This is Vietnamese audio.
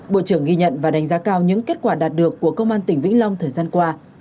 bộ trưởng ghi nhận và đánh giá cao những kết quả đạt được của công an tỉnh vĩnh long thời gian qua